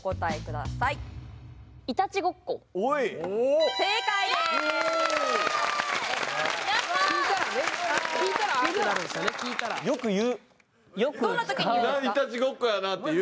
「いたちごっこやな」って言う？